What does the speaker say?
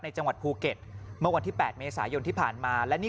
ในจังหวัดภูเก็ตเมื่อวันที่แปดเมศยที่ผ่านมาและนี่